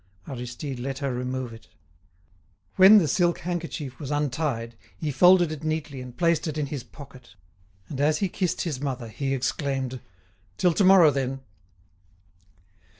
Aristide let her remove it. When the silk handkerchief was untied, he folded it neatly and placed it in his pocket. And as he kissed his mother he exclaimed: "Till to morrow then!"